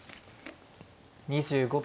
２５秒。